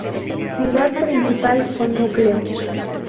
Ciudad principal o núcleo